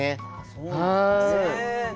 そうなんだね。